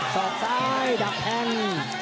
สอบซ้ายดักแทง